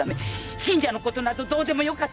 信者の事などどうでもよかった！